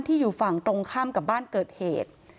อยู่ฝั่งตรงข้ามกับบ้านเกิดเหตุ